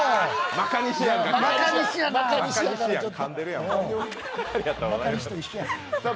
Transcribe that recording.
まかにしやから。